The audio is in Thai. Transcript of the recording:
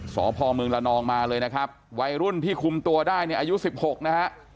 สพเมืองละนองมาเลยนะครับวัยรุ่นที่คุมตัวได้เนี่ยอายุ๑๖นะฮะ